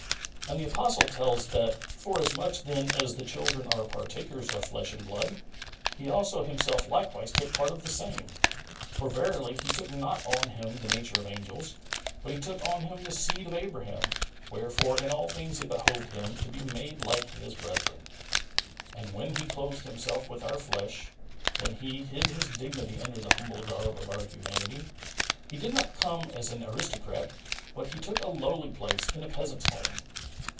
And the apostle tells that " Forasmuch then as the children are partakers of flesh and blood, He also Himself likewise took part of the same. For verily He took not on Him the nature of angels, but He took on Him the seed of Abraham, wherefore in all things it behoved Him to be made like His brethren." And when He clothed Himself with our flesh, when He hid His dignity under the humble garb of our humanity, He did not come as an aristocrat, but He took a lowly place in a peasant's home.